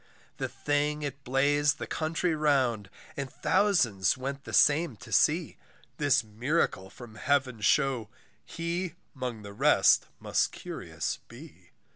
The thing it blazed the country round, And thousands went the same to see, This miracle from heaven shew, He 'mong the rest must curious be.